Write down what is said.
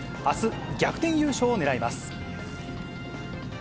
あす、逆転優勝を狙います。